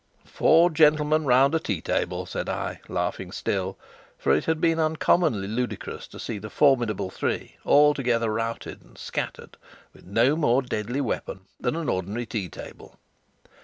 "Four gentlemen round a tea table," said I, laughing still, for it had been uncommonly ludicrous to see the formidable three altogether routed and scattered with no more deadly weapon than an ordinary tea table.